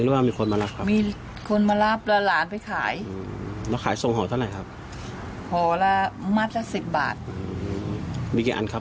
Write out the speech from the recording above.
แล้วเข้าไปขายย่อยอันเท่าไรครับ